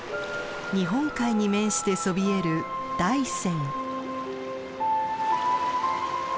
日本海に面してそびえる大山。